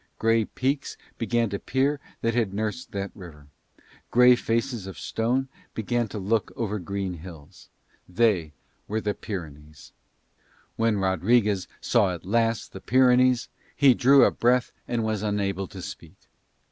Grey peaks began to peer that had nursed that river. Grey faces of stone began to look over green hills. They were the Pyrenees. When Rodriguez saw at last the Pyrenees he drew a breath and was unable to speak.